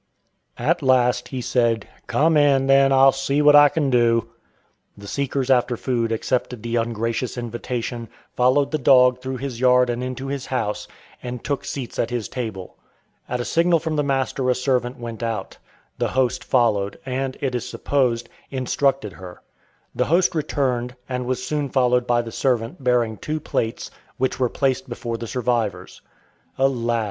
At last he said, "Come in, then; I'll see what I can do." The seekers after food accepted the ungracious invitation, followed the dog through his yard and into his house, and took seats at his table. At a signal from the master a servant went out. The host followed, and, it is supposed, instructed her. The host returned, and was soon followed by the servant bearing two plates, which were placed before the survivors. Alas!